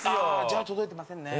じゃあ届いてませんね。